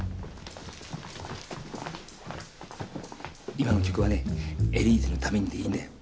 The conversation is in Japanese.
今の曲はね『エリーゼのために』でいいんだよ。